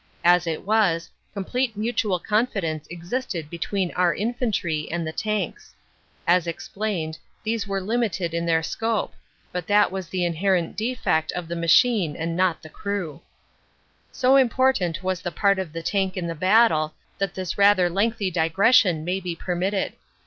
As it was, complete mutual confidence existed between our in fantry and the tanks. As explained, these were limited in their scope, but that was the inherent defect of the machine and not of the crew. So important was the part of the tank in the battle that this rather lengthy digression may be permitted.